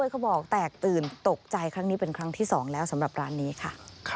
เขาบอกแตกตื่นตกใจครั้งนี้เป็นครั้งที่๒แล้วสำหรับร้านนี้ค่ะ